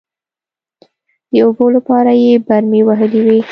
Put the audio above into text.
د اوبو لپاره يې برمې وهلې وې.